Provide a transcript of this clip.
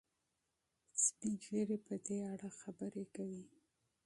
سپین ږیري په دې اړه خبرې کوي.